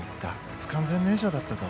不完全燃焼だったと。